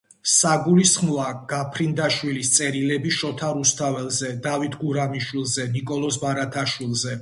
საგულისხმოა გაფრინდაშვილის წერილები შოთა რუსთაველზე, დავით გურამიშვილზე, ნიკოლოზ ბარათაშვილზე.